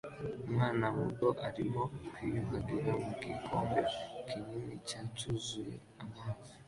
Umwana muto arimo kwiyuhagira mu gikombe kinini cya cyuzuye amazi